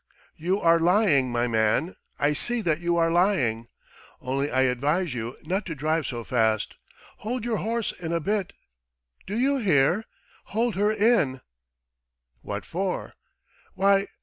"You are lying, my man, I see that you are lying. Only I advise you not to drive so fast. Hold your horse in a bit. ... Do you hear? Hold her in!" "What for?" "Why